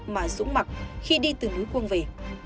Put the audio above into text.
mà dũng mặc khi đi từ núi quân về